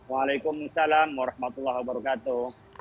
waalaikumsalam warahmatullahi wabarakatuh